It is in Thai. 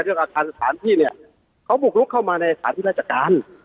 ด้วยการอาทารณ์สถานที่เนี้ยเขาบุกรุกเข้ามาในอาจารย์ที่ราชการ